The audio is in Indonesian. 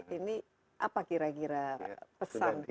ini apa kira kira pesan